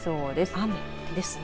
雨ですね。